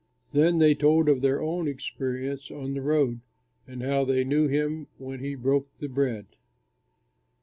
Then they told of their own experience on the road, and how they knew him when he broke the bread.